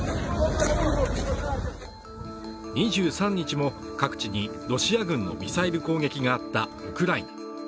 ２３日も各地にロシア軍のミサイル攻撃があったウクライナ。